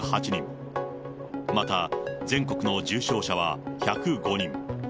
また全国の重症者は１０５人。